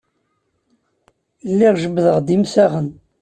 Lliɣ jebbdeɣ-d imsaɣen.